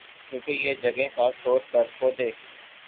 چونکہ یہ جگہیں خاص طور پر پودے